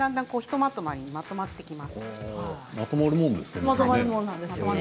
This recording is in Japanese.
まとまるもんですね。